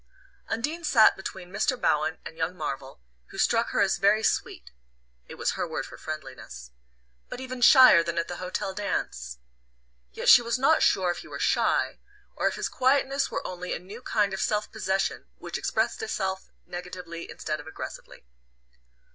Undine sat between Mr. Bowen and young Marvell, who struck her as very "sweet" (it was her word for friendliness), but even shyer than at the hotel dance. Yet she was not sure if he were shy, or if his quietness were only a new kind of self possession which expressed itself negatively instead of aggressively.